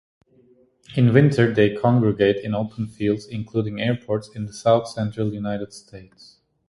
In winter, they congregate in open fields, including airports, in the south-central United States.